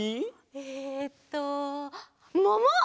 えっともも！